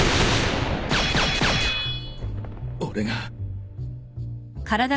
俺が。